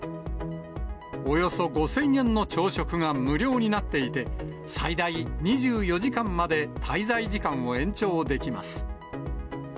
およそ５０００円の朝食が無料になっていて、最大２４時間まで滞在時間を延長できます。